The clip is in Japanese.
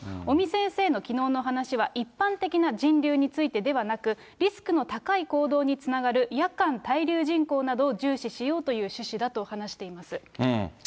尾身先生のきのうの話は、一般的な人流についてではなく、リスクの高い行動につながる、夜間滞留人口などを重視しようという趣旨だと話しています。